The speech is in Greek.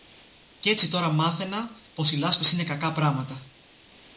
Κι έτσι τώρα μάθαινα πως οι λάσπες είναι κακά πράματα